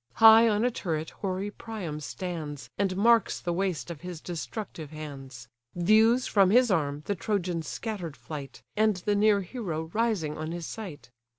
High on a turret hoary Priam stands, And marks the waste of his destructive hands; Views, from his arm, the Trojans' scatter'd flight, And the near hero rising on his sight!